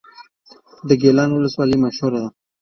د ګیلان ولسوالۍ مشهوره ده